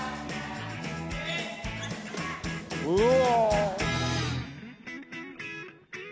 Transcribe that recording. うわ！